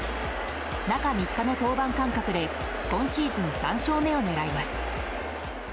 中３日の登板間隔で今シーズン３勝目を狙います。